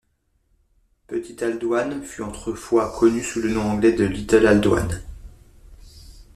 Petite-Aldouane fut autrefois connu sous le nom anglais de Little Aldouane.